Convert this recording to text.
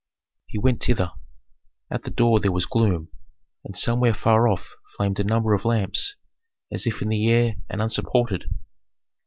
He went thither. At the door there was gloom, and somewhere far off flamed a number of lamps, as if in the air and unsupported.